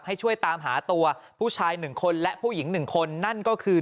ให้ช่วยตามหาตัวผู้ชาย๑คนและผู้หญิง๑คนนั่นก็คือ